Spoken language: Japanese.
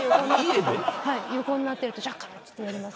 横になってるとジャッカルってやります。